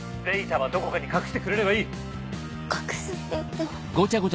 データはどこかに隠してくれればいい。